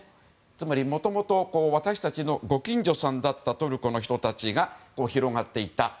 つまり、もともと私たちのご近所さんだったトルコ人が広がっていた。